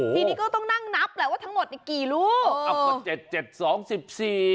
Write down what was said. ทีนี้ก็ต้องนั่งนับแหละว่าทั้งหมดนี่กี่ลูกอ้าวก็เจ็ดเจ็ดสองสิบสี่